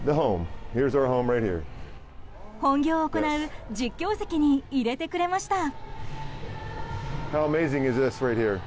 本業を行う実況席に入れてくれました。